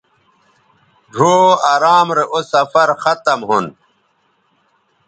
ڙھؤ ارام رے اوسفرختم ھون